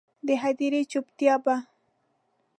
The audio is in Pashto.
د هدیرې چوپتیا به،